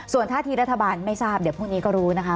ส่วนท่าทีรัฐบาลไม่ทราบเดี๋ยวพรุ่งนี้ก็รู้นะคะ